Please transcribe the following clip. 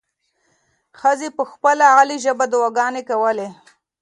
ښځې په خپله غلې ژبه دعاګانې کولې.